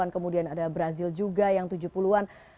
kemudian ada brazil juga yang tujuh puluh an